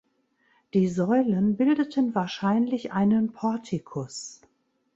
Die Säulen bildeten wahrscheinlich einen Portikus.